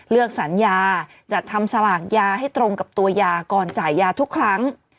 สัญญาจัดทำสลากยาให้ตรงกับตัวยาก่อนจ่ายยาทุกครั้ง